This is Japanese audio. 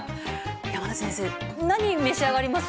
山根先生何召し上がります？